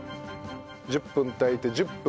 １０分炊いて１０分蒸らす。